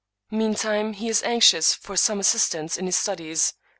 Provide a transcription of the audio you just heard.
Meantime, he is anxious for some assistance in his studies.